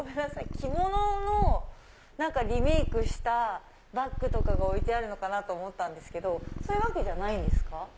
着物のリメイクしたバッグとかが置いてあるのかなと思ったけどそういうわけじゃないんですか？